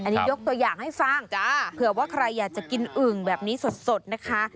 อันนี้ยกตัวอย่างให้ฟังเผื่อว่าใครอยากจะกินอึ่งแบบนี้สดนะคะ